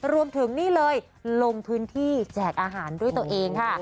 รวมถึงนี่เลยลงพื้นที่แจกอาหารด้วยตัวเองค่ะ